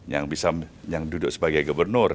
yang bisa yang duduk sebagai gubernur